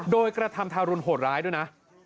โดยกระทำทารุณโหดร้ายด้วยนะ